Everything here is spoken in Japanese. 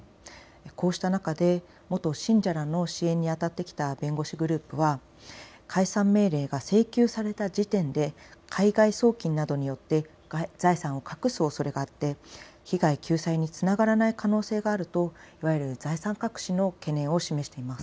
こうした中で元信者らの支援にあたってきた弁護士グループは解散命令が請求された時点で海外送金などによって財産を隠すおそれがあって被害救済につながらない可能性があると、いわゆる財産隠しの懸念を示しています。